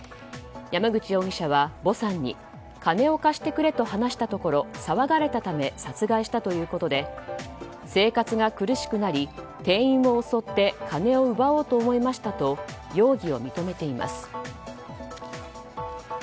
山口容疑者はヴォさんに金を貸してくれと話したところ騒がれたため殺害したということで生活が苦しくなり店員を襲って金を奪おうと思いましたと容疑を認めています。